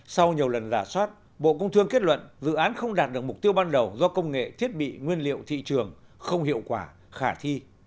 sau nhiều lần giả soát bộ công thương kết luận dự án không đạt được mục tiêu ban đầu do công nghệ thiết bị nguyên liệu thị trường không hiệu quả khả thi